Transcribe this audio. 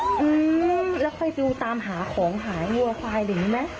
อืมแล้วค่อยดูตามหาของหายหัวควายหรือยังไง